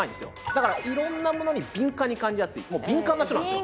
だからいろんなものに敏感に感じやすいもう敏感な人なんですよ